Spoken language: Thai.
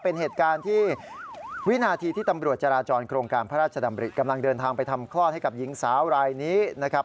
เป็นเหตุการณ์ที่วินาทีที่ตำรวจจราจรโครงการพระราชดำริกำลังเดินทางไปทำคลอดให้กับหญิงสาวรายนี้นะครับ